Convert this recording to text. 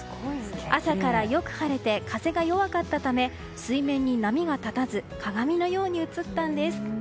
朝からよく晴れて風が弱かったため水面に波が立たず鏡のように映ったんです。